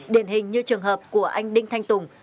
điển hình như trường hợp của anh đinh thanh tùng